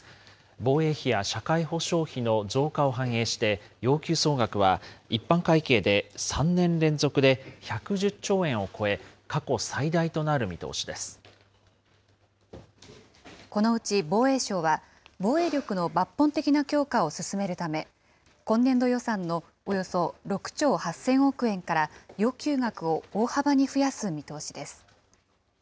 防衛費や社会保障費の増加を反映して、要求総額は一般会計で３年連続で１１０兆円を超え、過去最大となこのうち防衛省は、防衛力の抜本的な強化を進めるため、今年度予算のおよそ６兆８０００億円から要求額を大幅に増やす見通しです。